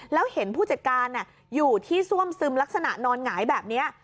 แล้วเห็นผู้จัดการอยู่ที่ซ่วมซึมลักษณะนอนหงายแบบนี้